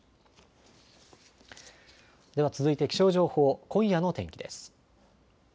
では続いて気象情報、今夜の天気です。